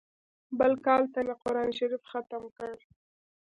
بل کال ته مې قران شريف ختم کړ.